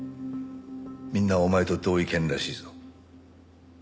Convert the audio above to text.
みんなお前と同意見らしいぞ。